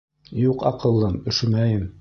— Юҡ, аҡыллым, өшөмәйем.